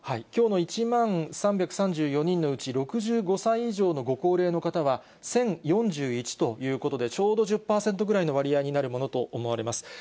きょうの１万３３４人のうち、６５歳以上のご高齢の方は１０４１ということで、ちょうど１０％ぐらいの割合になるものと思われます。